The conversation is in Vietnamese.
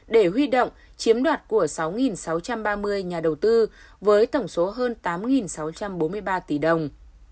để huy động chiếm đoạt của sáu sáu trăm ba mươi nhà đầu tư với tổng số hơn tám sáu trăm bốn mươi ba tỷ đồng